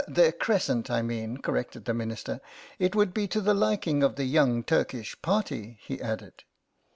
"Their crescent, I mean," corrected the Minister. " It would be to the liking of the Young Turkish Party," he added.